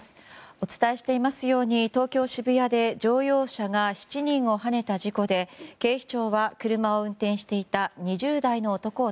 お伝えしていますように東京・渋谷で乗用車が７人をはねた事故で警視庁は車を運転していた２０代の男を